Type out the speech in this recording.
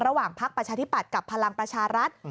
ระหว่างภักดิ์ประชาธิบัติกับพลังประชารัฐ